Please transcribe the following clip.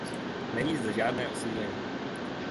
Není zde žádné osídlení.